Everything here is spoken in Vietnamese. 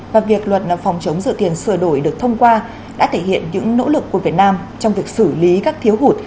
và việc luật phòng chống rửa tiền sửa đổi được thông qua đã thể hiện những nỗ lực của việt nam trong việc xử lý các thiếu hụt